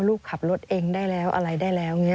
ลูกขับรถเองได้แล้วอะไรได้แล้ว